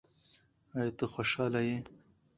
ایا ته خوشاله یې؟